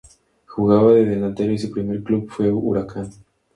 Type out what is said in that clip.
Jugaba de delantero y su primer club fue Huracán.